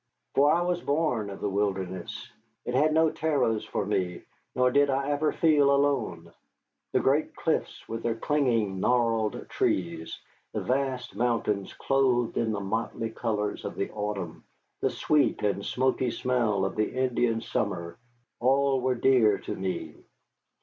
For I was born of the wilderness. It had no terrors for me, nor did I ever feel alone. The great cliffs with their clinging, gnarled trees, the vast mountains clothed in the motley colors of the autumn, the sweet and smoky smell of the Indian summer, all were dear to me.